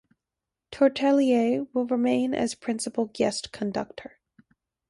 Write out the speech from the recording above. Tortelier will remain as Principal Guest Conductor.